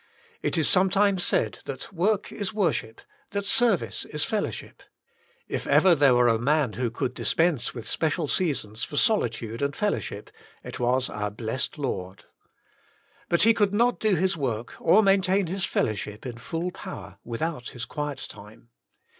It is sometimes said that work is worship, that ser vice is fellowship. If ever there were a man who could dispense with special seasons for solitude and fellowship, it was our blessed Lord. But He could not do His work or maintain His fellow ship in full power, without His quiet time.